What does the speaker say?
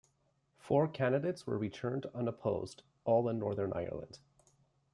Four candidates were returned unopposed, all in Northern Ireland.